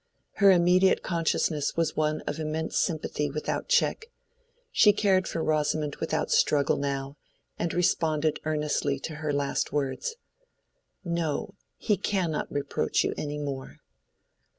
Her immediate consciousness was one of immense sympathy without check; she cared for Rosamond without struggle now, and responded earnestly to her last words— "No, he cannot reproach you any more."